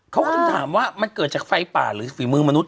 เขาก็ต้องถามว่ามันเกิดจากไฟป่าหรือฝีมือมนุษ